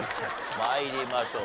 参りましょう。